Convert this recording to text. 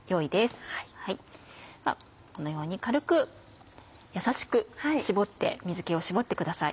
このように軽く優しく水気を絞ってください。